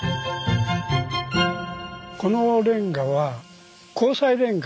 このレンガは鉱滓レンガ。